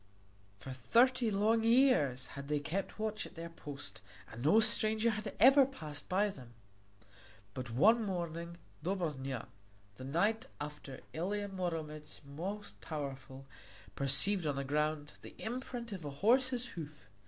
For thirty long years had they kept watch at their post and no stranger had ever passed by them. But one morning Dobrnja, the knight after Ilia Muromec most powerful, perceived on the ground the imprint of a horse's hoof.